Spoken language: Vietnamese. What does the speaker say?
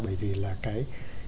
bởi vì là cái